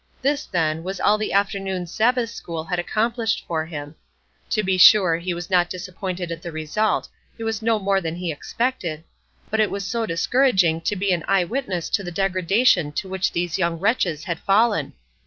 This, then, was all the afternoon's Sabbath school had accomplished for him. To be sure he was not disappointed at the result; it was no more than he had expected; but it was so discouraging to be an eye witness to the degradation to which these young wretches had fallen!